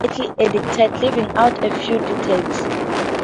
The episodes are also slightly edited, leaving out a few details.